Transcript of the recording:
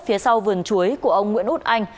phía sau vườn chuối của ông nguyễn út anh